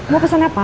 mau pesan apa